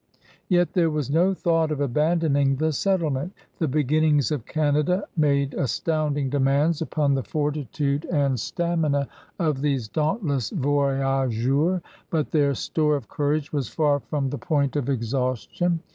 Yet there was no thought of abandoning the settlement. The beginnings of Canada made astounding demands upon the fortitude and THE POUNDING OP NEW PRANCE 41 stamina of these dauntless voyageurs, but their store of courage was far from the point of exhaus tion.